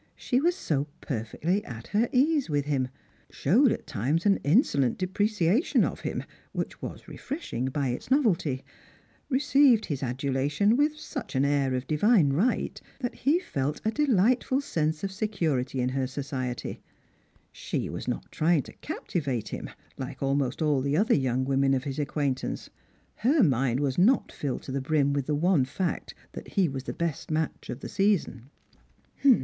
She was so perfectly at her ease with him ; showed at times an insolent depreciation of him, which was refresliing by its novelty ; received his adulation with such an air of divine right, that he felt a delightful sense of security in her society. She was not trying to captivate him, like almost all the other young women of his acquaintance. Her mind was not filled to the brim with the one fact that he was the best match of the season.